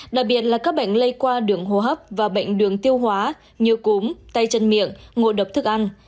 đặc biệt là các bệnh lây qua đường hô hấp và bệnh đường tiêu hóa như cúm tay chân miệng ngộ độc thức ăn